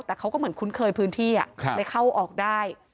แต่เขาก็เหมือนคุ้นเคยพื้นที่เลยเข้าออกได้